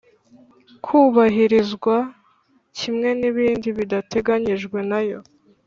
kubahirizwa kimwe n ibindi bidateganyijwe nayo